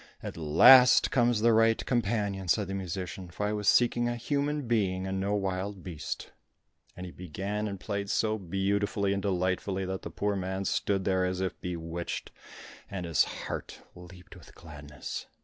"At last comes the right companion," said the musician, "for I was seeking a human being, and no wild beast." And he began and played so beautifully and delightfully that the poor man stood there as if bewitched, and his heart leaped with gladness.